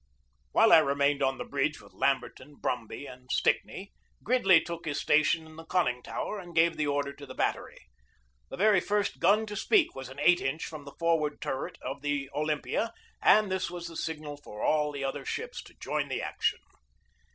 While I remained on the bridge with Lamberton, Brumby, and Stickney, Gridley took his station in the conning tower and gave the order to the battery. The very first gun to speak was an 8 inch from the forward turret of the Olympia, and this was the signal for all the other ships to join the action.